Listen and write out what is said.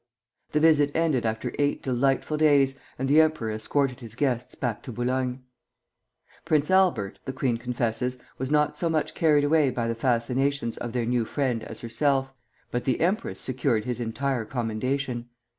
The visit ended after eight delightful days, and the emperor escorted his guests back to Boulogne. Prince Albert, the queen confesses, was not so much carried away by the fascinations of their new friend as herself; but the empress secured his entire commendation.